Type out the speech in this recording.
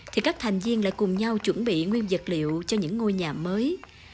thì các thành viên lại cùng nhau chuẩn bị nguyên vật liệu cho những ngôi nhà mới